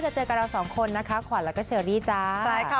เจอกับเราสองคนนะคะขวัญแล้วก็เชอรี่จ้าใช่ค่ะ